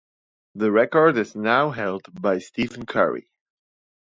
The record is now held by Stephen Curry.